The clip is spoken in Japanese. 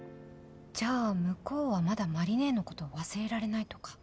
じゃあ向こうはまだ麻里姉のことを忘れられないとか。